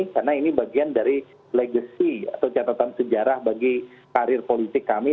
karena ini bagian dari legacy atau catatan sejarah bagi karir politik kami